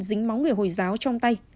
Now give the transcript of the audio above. dính máu người hồi giáo trong tay